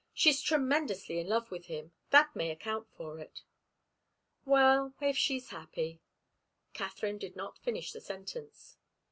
She's tremendously in love with him. That may account for it." "Well if she's happy " Katharine did not finish the sentence.